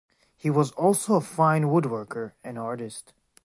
He was also a fine woodworker and artist.